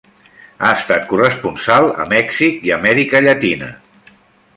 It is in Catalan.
Ha estat corresponsal a Mèxic i Amèrica Llatina.